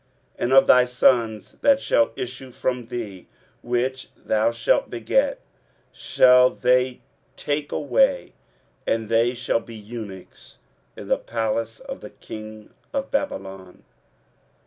23:039:007 And of thy sons that shall issue from thee, which thou shalt beget, shall they take away; and they shall be eunuchs in the palace of the king of Babylon.